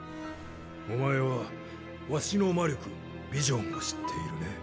お前はわしの魔力「千里眼」を知っているね？